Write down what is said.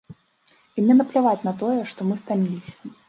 І мне напляваць на тое, што мы стаміліся.